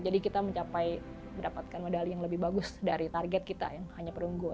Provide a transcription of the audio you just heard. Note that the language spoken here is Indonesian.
jadi kita mencapai mendapatkan medali yang lebih bagus dari target kita yang hanya perunggu